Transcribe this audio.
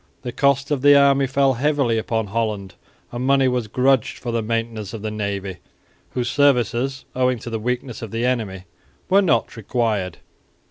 The cost of the army fell heavily upon Holland, and money was grudged for the maintenance of the navy, whose services, owing to the weakness of the enemy, were not required.